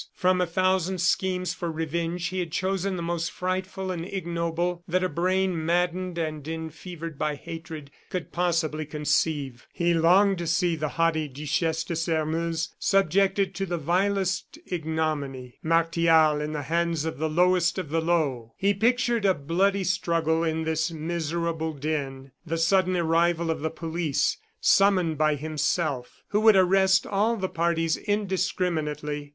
From a thousand schemes for revenge he had chosen the most frightful and ignoble that a brain maddened and enfevered by hatred could possibly conceive. He longed to see the haughty Duchesse de Sairmeuse subjected to the vilest ignominy, Martial in the hands of the lowest of the low. He pictured a bloody struggle in this miserable den; the sudden arrival of the police, summoned by himself, who would arrest all the parties indiscriminately.